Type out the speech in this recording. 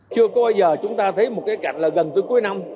chưa có bao giờ chúng ta thấy một cái cạnh là gần tới cuối năm